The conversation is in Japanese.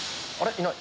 いない。